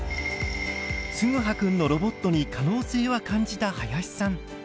つぐはくんのロボットに可能性は感じた林さん。